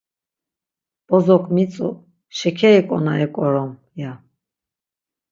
Bozok mitzu, 'Şekeri ǩonari ǩorom' ya.